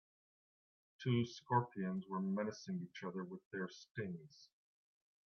Two scorpions were menacing each other with their stings.